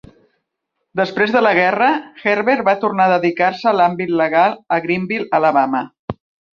Després de la guerra, Herbert va tornar a dedicar-se a l'àmbit legal a Greenville, Alabama.